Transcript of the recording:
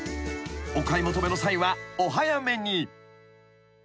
［お買い求めの際はお早めに］